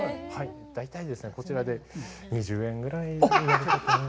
大体こちらで２０円ぐらいになるかと思います。